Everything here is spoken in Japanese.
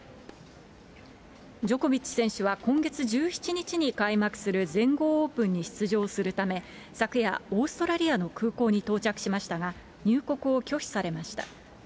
ジョコビッチ選手は今月１７日に開幕する全豪オープンに出場するため、昨夜、オーストラリアの空港に到着しましたが、入国を拒否されました。